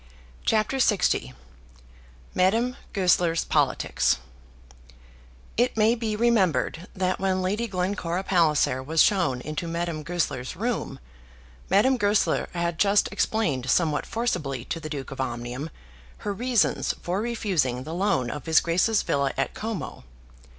CHAPTER LX Madame Goesler's Politics It may be remembered that when Lady Glencora Palliser was shown into Madame Goesler's room, Madame Goesler had just explained somewhat forcibly to the Duke of Omnium her reasons for refusing the loan of his Grace's villa at Como.